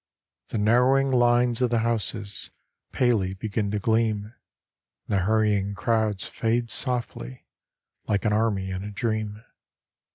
The narrowing lines of the houses Palely begin to gleam, And the hurrying crowds fade softly Like an army in a dream.